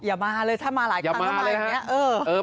อย่ามาเลยถ้ามาหลายครั้งแล้วอะไรอย่างนี้